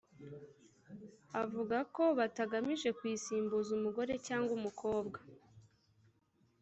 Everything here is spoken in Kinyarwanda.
avuga ko batagamije kuyisimbuza umugore cyangwa umukobwa